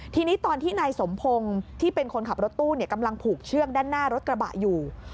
ทีนี้ตอนที่นายสมพงศ์ที่เป็นคนขับรถตู้กำลังผูกเชือกด้านหน้ารถกระบะอยู่